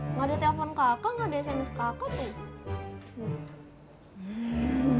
enggak ada telepon kakak enggak ada sms kakak tuh